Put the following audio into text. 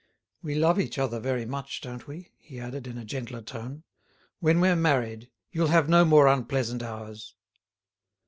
... We love each other very much, don't we?" he added in a gentler tone. "When we're married you'll have no more unpleasant hours."